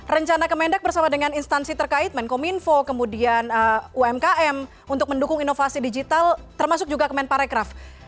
rencana kemendak bersama dengan instansi terkait menkominfo kemudian umkm untuk mendukung inovasi digital termasuk juga kemenparekraf